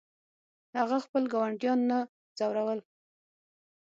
هغه خپل ګاونډیان نه ځورول.